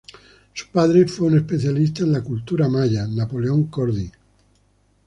Su padre fue un especialista en la cultura Maya, Napoleón Cordy.